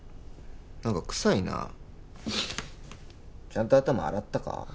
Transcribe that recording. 何か臭いなちゃんと頭洗ったか？